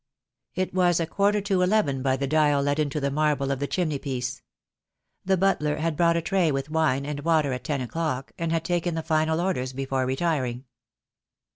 It was a quarter to eleven by the dial let into the marble of the chimney piece. The butler had brought a tray with wine and water at ten o'clock, and had taken the final orders before retiring.